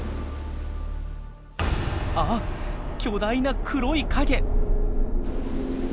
あっ巨大な黒い影！